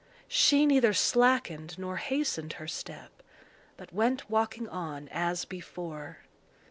She neither slackened nor hastened her step, but went walking on as before.